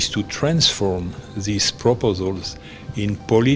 adalah untuk mengubah perjanjian ini